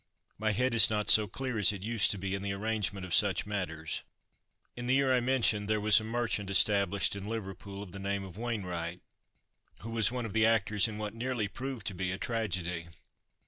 My head is not so clear as it used to be in the arrangement of such matters. In the year mentioned there was a merchant established in Liverpool of the name of Wainwright, who was one of the actors in what nearly proved to be a tragedy.